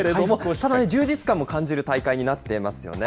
ただね、充実感も感じる大会になってますよね。